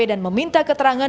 dan meminta keterangan